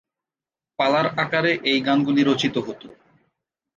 পালার আকারে এই গানগুলি রচিত হত।